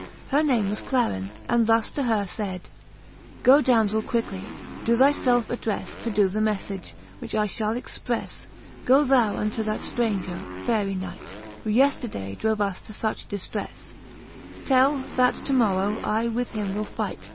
Her name was Clarin, and thus to her layd j Goe damzell quickly, doe thylelfe addrcfle, To doe the meflage, which I fhall exprefle : Goe thou unto that ftranger Faery knight. Who yeefter day drove us to fuch diftrefle, Tell, that to morrow I with him will fight.